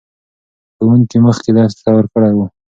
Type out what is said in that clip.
ښوونکي مخکې درس تیار کړی و.